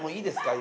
今。